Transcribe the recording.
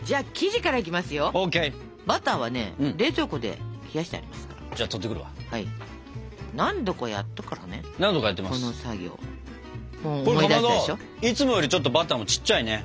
かまどいつもよりちょっとバターもちっちゃいね。